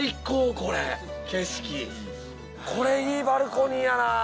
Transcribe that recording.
これいいバルコニーやな。